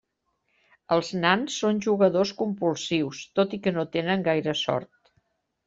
Els nans són jugadors compulsius, tot i que no tenen gaire sort.